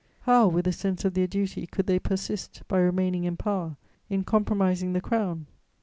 How, with a sense of their duty, could they persist, by remaining in power, in compromising the Crown?